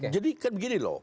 jadi kan begini loh